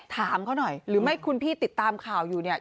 ถามเขาหน่อยหรือไม่คุณพี่ติดตามข่าวอยู่เนี่ย